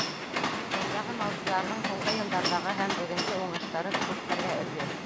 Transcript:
Бындағы малсыларҙың һуңғы йылдарҙағы һәм бөгөнгө уңыштары күптәргә өлгө.